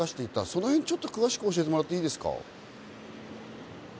その辺ちょっと詳しく教えてもらってもいいですか？